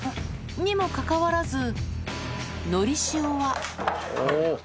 にもかかわらず、のりしおは。